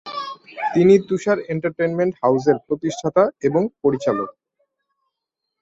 তিনি তুষার এন্টারটেইনমেন্ট হাউসের প্রতিষ্ঠাতা এবং পরিচালক।